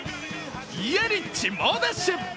イエリッチ、猛ダッシュ。